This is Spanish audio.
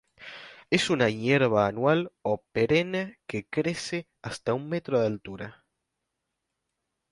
Es una hierba anual o perenne que crece hasta un metro de altura.